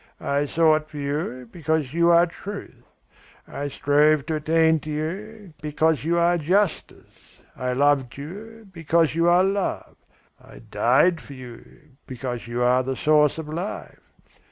I sought for you, because you are Truth; I strove to attain to you, because you are Justice; I loved you, because you are Love; I died for you, because you are the Source of Life.